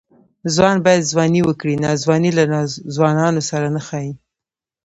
ځوان باید ځواني وکړي؛ ناځواني له ځوانانو سره نه ښايي.